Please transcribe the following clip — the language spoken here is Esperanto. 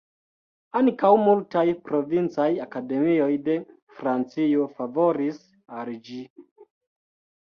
Ankaŭ multaj provincaj akademioj de Francio favoris al ĝi.